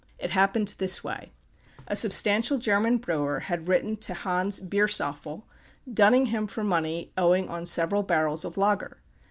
It happened in this way: A substantial German brewer had written to Hans Biersöffel, dunning him for money, owing on several barrels of lager.